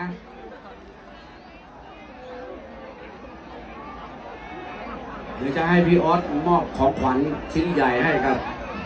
เดี๋ยวจะให้พี่ออสมอบของขวัญชิ้นใหญ่ให้กับ